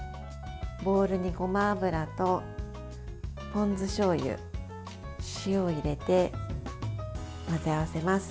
ボウルにごま油とポン酢しょうゆ塩を入れて、混ぜ合わせます。